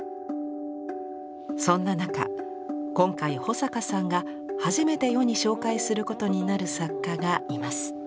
そんな中今回保坂さんが初めて世に紹介することになる作家がいます。